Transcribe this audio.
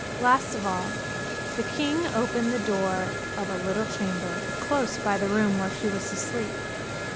Last of all, the king opened the door of a little chamber close by the room where she was to sleep.